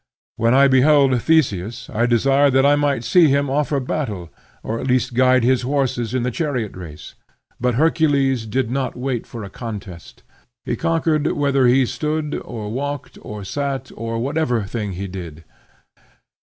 When I beheld Theseus, I desired that I might see him offer battle, or at least guide his horses in the chariot race; but Hercules did not wait for a contest; he conquered whether he stood, or walked, or sat, or whatever thing he did."